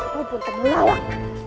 kau pun terbelawak